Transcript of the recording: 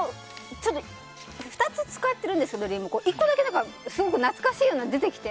２つ使っているんですけどリモコン１個だけすごく懐かしいのが出てきて。